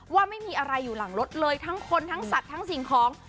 ว่าไม่มีอะไรอยู่หลังรถเลยทั้งคนทั้งสัตว์ทั้งสิ่งของ